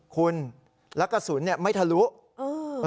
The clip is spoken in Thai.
คุณแล้วกระสุนเนี่ยไม่ทะลุเออ